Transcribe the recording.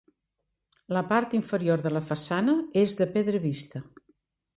La part inferior de la façana és de pedra vista.